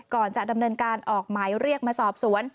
ก่อนจะดำเนินการออกหมายเรียกมาสอบสวน